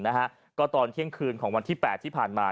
นะฮะก็ตอนเที่ยงคืนของวันที่แปดที่ผ่านมา